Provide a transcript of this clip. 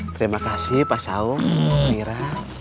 terima kasih pak saung mira